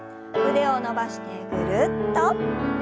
腕を伸ばしてぐるっと。